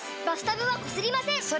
バスタブはこすりません！